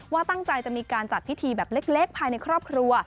ว่าตั้งใจจะมีการจัดพิธีแบบเล็กภายในครอบครัว